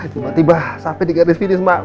tiba tiba sampai di garis finish mbak